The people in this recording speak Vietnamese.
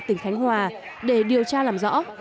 tỉnh khánh hòa để điều tra làm rõ